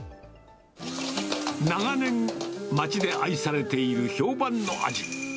長年、町で愛されている評判の味。